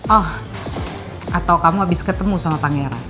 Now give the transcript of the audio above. oh atau kamu habis ketemu sama pangeran